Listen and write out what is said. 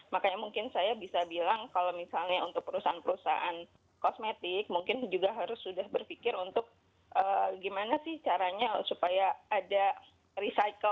makanya mungkin saya bisa bilang kalau misalnya untuk perusahaan perusahaan kosmetik mungkin juga harus sudah berpikir untuk gimana sih caranya supaya ada recycle